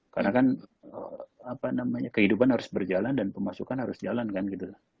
karena kan kehidupan harus berjalan dan pemasukan harus jalan kan gitu